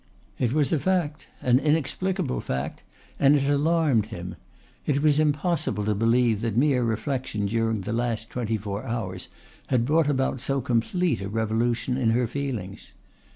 It was a fact, an inexplicable fact, and it alarmed him. It was impossible to believe that mere reflection during the last twenty four hours had brought about so complete a revolution in her feelings.